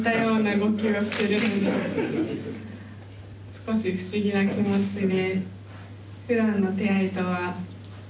少し不思議な気持ちで。